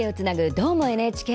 「どーも、ＮＨＫ」。